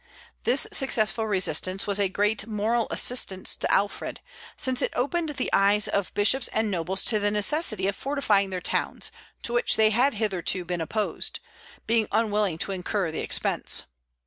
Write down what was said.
This successful resistance was a great moral assistance to Alfred, since it opened the eyes of bishops and nobles to the necessity of fortifying their towns, to which they had hitherto been opposed, being unwilling to incur the expense.